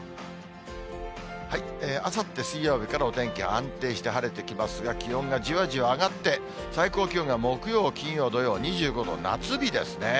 あさって水曜日からお天気安定して晴れてきますが、気温がじわじわ上がって、最高気温が木曜、金曜、土曜、２５度、夏日ですね。